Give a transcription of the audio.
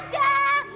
aduh aja sih